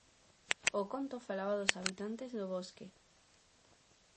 O conto falaba dos habitantes do bosque.